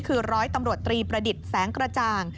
คือร้อยตำรวจตรีประดิษฐ์แสงกระจ่าง